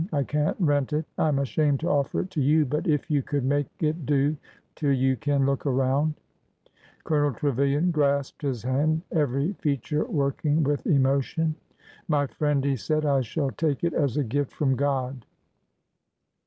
I can't rent it. I am ashamed to offer it to you, but if you could make it do till you can look around —" Colonel Trevilian grasped his hand, every feature working with emotion. '' My friend !" he said ; I shall take it as a gift from God!"